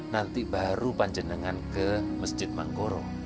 nanti baru panjenengan ke masjid mangkoro